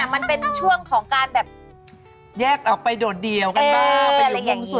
มันเป็นช่วงของการแบบแยกออกไปโดดเดี่ยวกันบ้าง